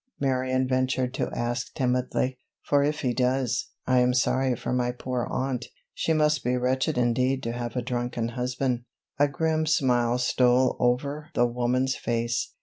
Marion ventured to ask timidly; "for if he does, I am sorry for my poor aunt. She must be wretched indeed to have a drunken husband." A grim smile stole over the woman's face.